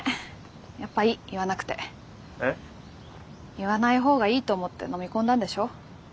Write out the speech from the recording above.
言わない方がいいと思ってのみ込んだんでしょ？